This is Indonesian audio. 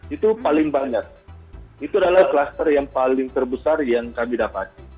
itu paling banyak itu adalah kluster yang paling terbesar yang kami dapat